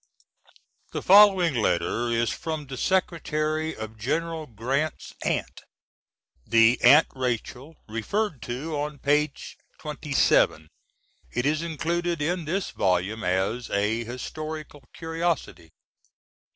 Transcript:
[The following letter is from the secretary of General Grant's aunt, the Aunt Rachel referred to on page twenty seven. It is included in this volume as a historical curiosity.